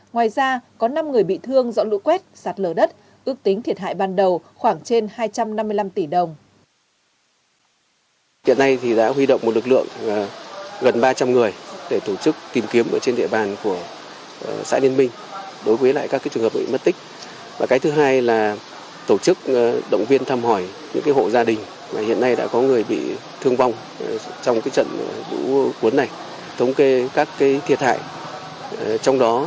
ngoài ra có năm người bị thương do lũ quét sạt lở đất ước tính thiệt hại ban đầu khoảng trên hai trăm năm mươi năm tỷ đồng